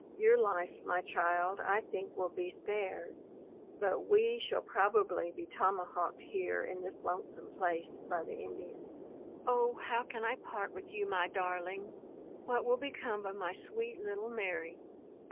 Your life, my child, I think will be spared; but we shall probably be tomahawked here in this lonesome place by the Indians. O! how can I part with you my darling? What will become of my sweet little Mary?